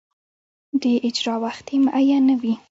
د اجرا وخت یې معین نه وي.